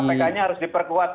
kpk nya harus diperkuat